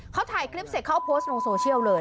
เขาถ่ายคลิปเสร็จเขาเอาโพสต์ลงโซเชียลเลย